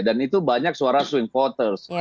dan itu banyak suara swing voters